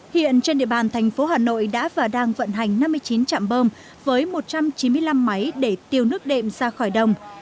hiện trên địa bàn thành phố hà nội đã và đang vận hành năm mươi chín chạm bơm với một trăm chín mươi năm máy để tiêu nước đệm ra khỏi đồng